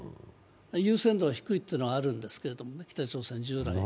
優先度は低いというのはあるんですけど、北朝鮮、従来。